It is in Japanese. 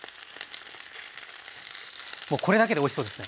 もうこれだけでおいしそうですね。